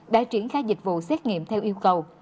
đã triển khai dịch vụ xét nghiệm theo yêu cầu